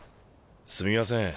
すみません